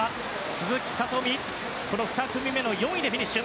鈴木聡美、２組目の４位でフィニッシュ。